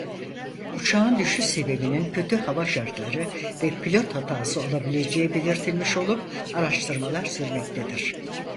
Uçağın düşüş sebebininin kötü hava şartları ve pilot hatası olabileceği belirtilmiş olup araştırmalar sürmektedir.